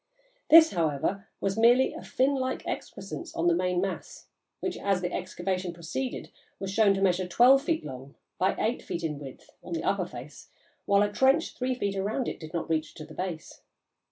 This, however, was merely a fin like excrescence on the main mass, which, as the excavation proceeded, was shown to measure twelve feet long by eight feet in width, on the upper face, while a trench three feet round it did not reach to the base.